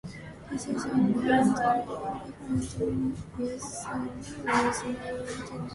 This is an entirely different use than originally intended.